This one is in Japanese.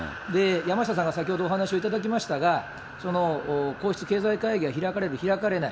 山下さんが先ほどお話をいただきましたが、皇室経済会議が開かれる、開かれない。